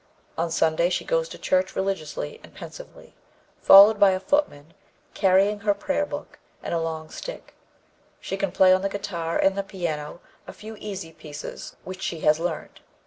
On Sunday she goes to church religiously and pensively, followed by a footman carrying her prayerbook and a long stick; she can play on the guitar and the piano a few easy pieces which she has learned.